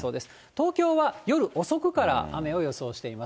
東京は夜遅くから雨を予想しています。